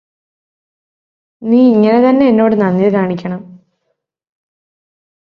നീ ഇങ്ങനെ തന്നെ എന്നോട് നന്ദി കാണിക്കണം